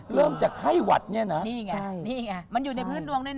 เริ่มจากไข้หวัดเนี่ยนะนี่ไงมันอยู่ในพื้นดวงด้วย